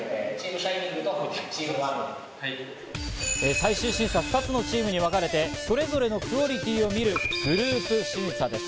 最終審査、２つのチームにわかれて、それぞれのクオリティーを見るグループ審査です。